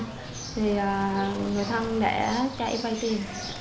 thì người thân đã cho em vay tiền